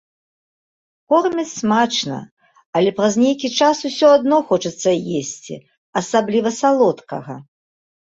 Кормяць смачна, але праз нейкі час усё адно хочацца есці, асабліва салодкага.